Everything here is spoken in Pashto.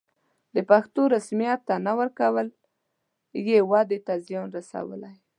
د پښتو رسميت ته نه ورکول یې ودې ته زیان رسولی.